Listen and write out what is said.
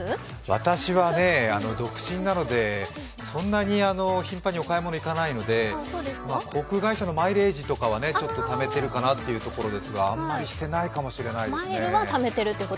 私はね、独身なのでそんなに頻繁にお買い物行かないので、航空会社のマイレージとかはためてる感じですがあんまりしてないかもしれないですね。